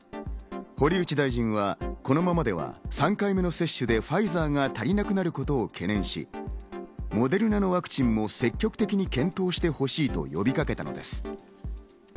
堀内大臣はこのままでは３回目の接種でファイザーが足りなくなることを懸念し、モデルナのワクチンも積極的に検討してほしいと呼びかけたのです。